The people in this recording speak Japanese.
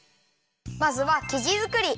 まずはきじづくり！